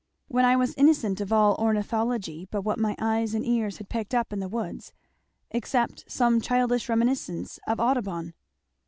when I was innocent of all ornithology but what my eyes and ears had picked up in the woods; except some childish reminiscences of Audubon."